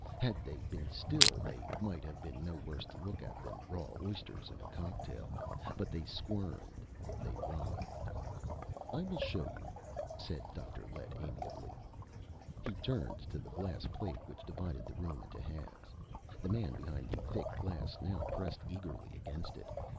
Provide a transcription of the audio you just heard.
Had they been still, they might have been no worse to look at than raw oysters in a cocktail. But they squirmed. They writhed. "I will show you," said Dr. Lett amiably. He turned to the glass plate which divided the room into halves. The man behind the thick glass now pressed eagerly against it.